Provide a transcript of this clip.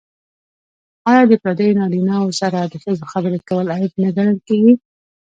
آیا د پردیو نارینه وو سره د ښځو خبرې کول عیب نه ګڼل کیږي؟